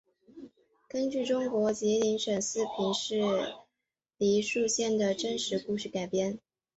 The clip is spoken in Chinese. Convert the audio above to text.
根据中国吉林省四平市梨树县的真实故事改编。